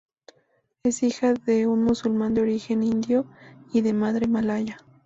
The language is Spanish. Es hija de un musulmán de origen indio y de madre malaya.